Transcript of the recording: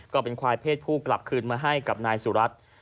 ก็เป็นควายเพศผู้กลับคืนมาให้กับนายสุรัตน์